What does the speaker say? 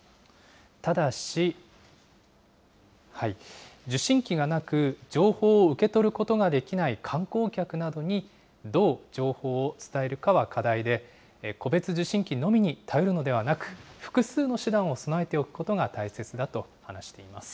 ただし、受信機がなく、情報を受け取ることができない観光客などに、どう情報を伝えるかは課題で、戸別受信機のみに頼るのではなく、複数の手段を備えておくことが大切だと話しています。